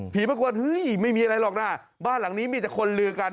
ปรากฏเฮ้ยไม่มีอะไรหรอกนะบ้านหลังนี้มีแต่คนลือกัน